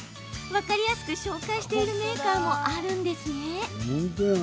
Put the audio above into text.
分かりやすく紹介しているメーカーもあるんですね。